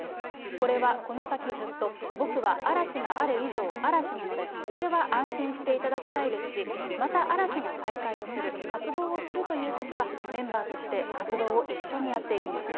これはこの先ずっと、僕は嵐がある以上、嵐なので、それは安心していただきたいですし、また嵐が再開をする、活動をするというときは、メンバーとして活動を一緒にやっていきますと。